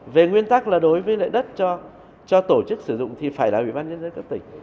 về nguyên tắc là đối với lại đất cho tổ chức sử dụng thì phải là ủy ban nhân dân cấp tỉnh